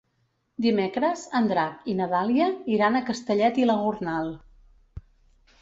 Dimecres en Drac i na Dàlia iran a Castellet i la Gornal.